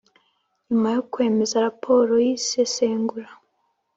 Nyuma yo kwemeza raporo y isesengura